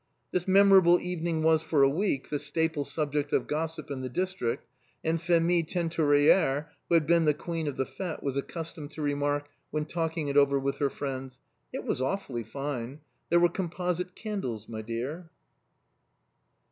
This memorable evening was for a week the staple subject of gossip in his district, and Phémie Teinturière, who had been the queen of the fête, was accustomed to remark, when talking it over with her friends, —" It was awfully fine. There were composite candles, my dear."